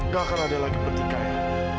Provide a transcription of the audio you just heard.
gak akan ada lagi pertikaian